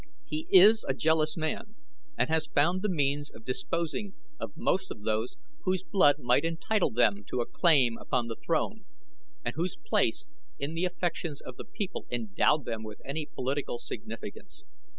He is a jealous man and has found the means of disposing of most of those whose blood might entitle them to a claim upon the throne, and whose place in the affections of the people endowed them with any political significance.